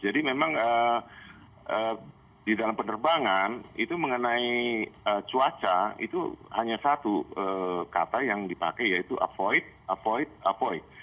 jadi memang di dalam penerbangan itu mengenai cuaca itu hanya satu kata yang dipakai yaitu avoid avoid avoid